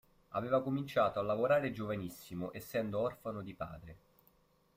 Aveva cominciato a lavorare giovanissimo essendo orfano di padre.